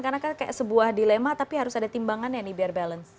karena kan sebuah dilema tapi harus ada timbangan ya nih biar balance